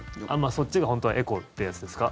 そっちが本当はエコってやつですか？